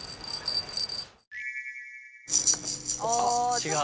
違う。